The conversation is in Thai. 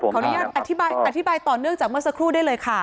ขออนุญาตอธิบายอธิบายต่อเนื่องจากเมื่อสักครู่ได้เลยค่ะ